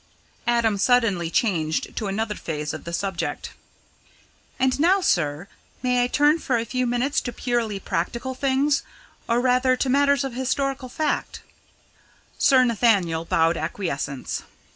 Adam suddenly changed to another phase of the subject. "And now, sir, may I turn for a few minutes to purely practical things, or rather to matters of historical fact?" Sir Nathaniel bowed acquiescence.